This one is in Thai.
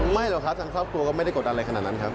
ไม่เหรอคะทางครอบครัวก็ไม่ได้กดอะไรขนาดนั้นครับ